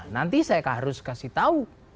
nanti saya harus kasih tahu